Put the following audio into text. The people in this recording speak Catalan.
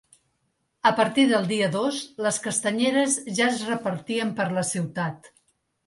A partir del dia dos, les castanyeres ja es repartien per la ciutat.